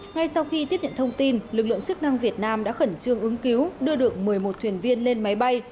ngay sau khi tiếp nhận thông tin lực lượng chức năng việt nam đã khẩn trương ứng cứu đưa được một mươi một thuyền viên lên máy bay